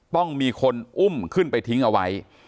ต้องมีคนอุ้มขึ้นไปทิ้งเอาไว้